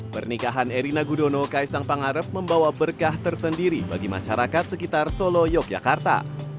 pernikahan erina gudono kaisang pangarep membawa berkah tersendiri bagi masyarakat sekitar solo yogyakarta